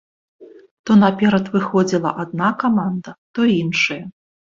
То наперад выходзіла адна каманда, то іншая.